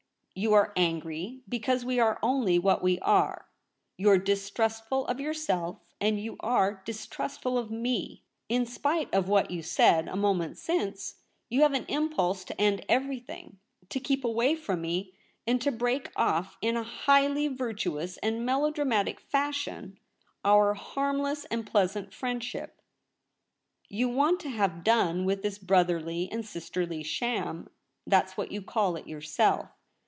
You are angry because w^e are only what we are ; you are distrustful of your self, and you are distrustful of me. In spite of what you said a moment since, you have an impulse to end everything, to keep away from me, and to break off in a highly vir tuous and melodramatic fashion our harmless and pleasant friendship. You want to have done with this brotherly and sisterly sham — that's what you call it yourself.